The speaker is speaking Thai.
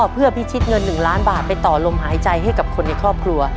เพื่อพิชิตเงิน๑ล้านบาทไปต่อลมหายใจให้กับคนในครอบครัว